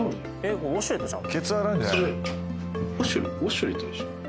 これウォシュレットちゃうん？